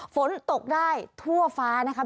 ฝนตกได้ทั่วฟ้านะครับ